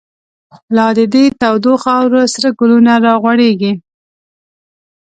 لا د دی تودو خاورو، سره گلونه را غوړیږی